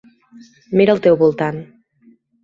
Mira al teu voltant.